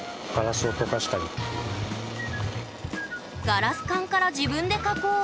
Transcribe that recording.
ガラス管から自分で加工。